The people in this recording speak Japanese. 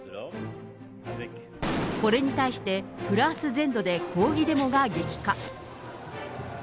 これに対して、フランス全土で抗議デモが激化。